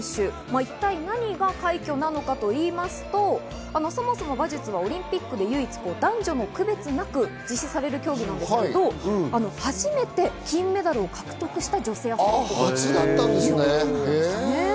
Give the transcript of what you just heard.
一体何が快挙なのかと言いますと、そもそも馬術のオリンピックの男女の区別なく実施される競技なんですが初めて金メダルを獲得した女性アスリートということなんですね。